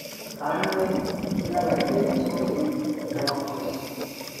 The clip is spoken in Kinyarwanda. hamwe n abagenzuzi n abakozi